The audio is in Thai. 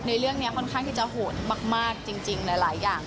ในเรื่องนี้ค่อนข้างที่จะโหดมากจริงหลายอย่าง